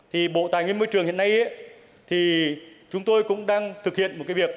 thì bộ tài nguyên môi trường hiện nay thì chúng tôi cũng đang thực hiện một cái việc